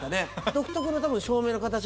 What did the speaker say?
独特な照明の形も。